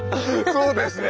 そうですね！